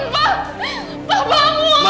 pak pak pak bangun pak